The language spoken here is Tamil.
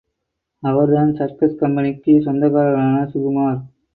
அவர்தான் சர்க்கஸ் கம்பெனிச் சொந்தக்காரரான சுகுமார்!